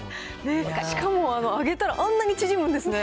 しかも揚げたらあんなに縮むんですね。